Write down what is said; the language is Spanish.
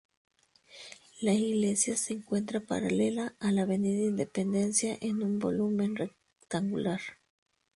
La iglesia se encuentra paralela a la Avenida Independencia, en un volumen rectangular.